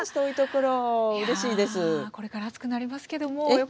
これから暑くなりますけども横山さん